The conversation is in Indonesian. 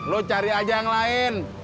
lo cari aja yang lain